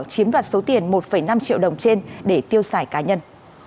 chiếm đoạt số tiền một năm triệu đồng trên để tiêu xài cá nhân